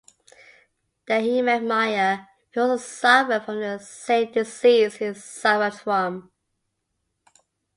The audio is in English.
There he met Maya who also suffered from the same disease he suffered from.